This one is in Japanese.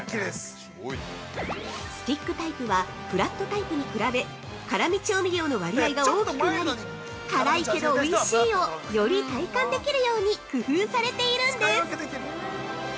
◆スティックタイプはフラットタイプに比べ、辛味調味料の割合が大きくなり「辛いけどおいしい」をより体感できるように工夫されているんです！